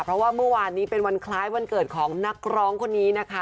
เพราะว่าเมื่อวานนี้เป็นวันคล้ายวันเกิดของนักร้องคนนี้นะคะ